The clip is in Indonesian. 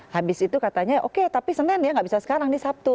habis itu katanya oke tapi senin dia nggak bisa sekarang di sabtu